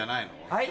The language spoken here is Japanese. はい？